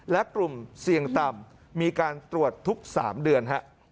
และกลุ่มเสี่ยงต่ำมีการตรวจทุก๓เดือน